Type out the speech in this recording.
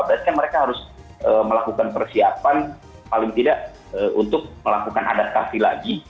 berarti kan mereka harus melakukan persiapan paling tidak untuk melakukan adaptasi lagi